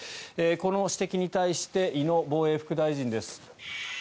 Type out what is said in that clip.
この指摘に対して井野防衛副大臣です。